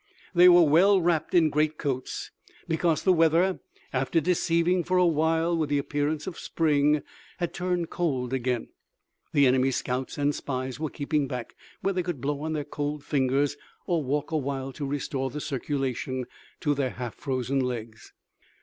They were well wrapped in great coats, because the weather, after deceiving for a while with the appearance of spring, had turned cold again. The enemy's scouts and spies were keeping back, where they could blow on their cold fingers or walk a while to restore the circulation to their half frozen legs.